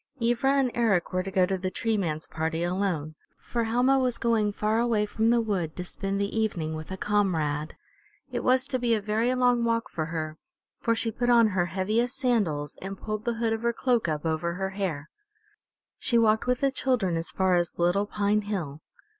Ivra and Eric were to go to the Tree Man's party alone, for Helma was going far away from the wood to spend the evening with a comrade. It was to be a very long walk for her, for she put on her heaviest sandals and pulled the hood of her cloak up over her hair. She walked with the children as far as Little Pine Hill.